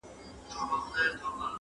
ځم د اوښکو په ګودر کي ګرېوانونه ښخومه!!